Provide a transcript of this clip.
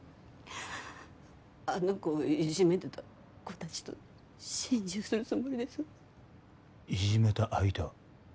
あの子をいじめてた子達と心中するつもりですいじめた相手は？